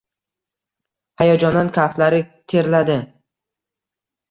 Hayajondan kaftlari terladi